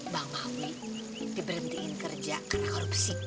bang hawi diberhentiin kerja karena korupsi